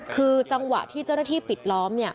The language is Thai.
คือจังหวะที่เจ้าหน้าที่ปิดล้อม